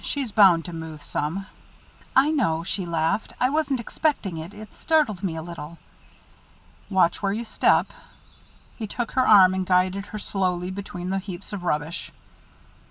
"She's bound to move some." "I know " she laughed "I wasn't expecting it it startled me a little." "Watch where you step." He took her arm and guided her slowly between the heaps of rubbish.